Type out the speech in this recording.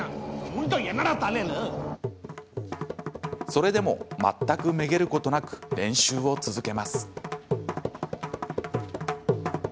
それでも全くめげることなく練習を続けます。